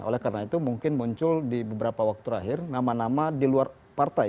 oleh karena itu mungkin muncul di beberapa waktu terakhir nama nama di luar partai